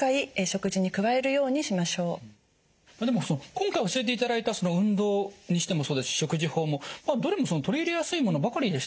今回教えていただいたその運動にしてもそうですし食事法もどれも取り入れやすいものばかりでしたね。